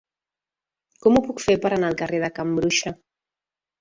Com ho puc fer per anar al carrer de Can Bruixa?